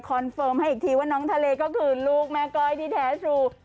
เฟิร์มให้อีกทีว่าน้องทะเลก็คือลูกแม่ก้อยที่แท้ทรู